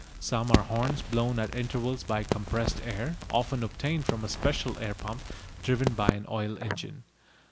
Some are horns blown at intervals by compressed air often obtained from a special air pump driven by an oil engine.